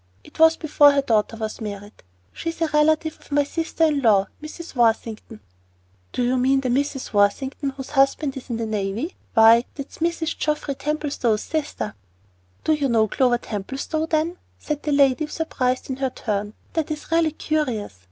It was before her daughter was married. She is a relative of my sister in law, Mrs. Worthington." "Do you mean the Mrs. Worthington whose husband is in the navy? Why, that's Mrs. Geoffrey Templestowe's sister!" "Do you know Clover Templestowe, then?" said the lady, surprised in her turn. "That is really curious.